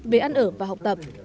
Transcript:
về ăn ở và học tập